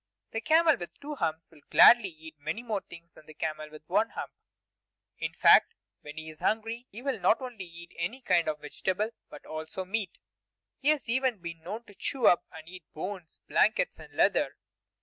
The camel with two humps will gladly eat many more things than the camel with one hump. In fact, when he is hungry, he will eat not only any kind of vegetable, but also meat. He has even been known to chew up and eat bones, blankets, and leather!